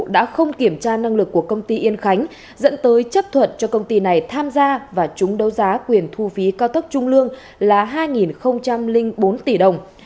đã không kiểm tra năng lực của công ty yên khánh dẫn tới chấp thuận cho công ty này tham gia và chúng đấu giá quyền thu phí cao tốc trung lương là hai bốn tỷ đồng